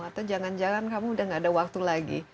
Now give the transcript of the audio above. atau jangan jangan kamu udah gak ada waktu lagi